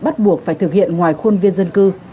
bắt buộc phải thực hiện ngoài khuôn viên dân cư